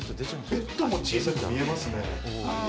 ベッドも小さく見えますね。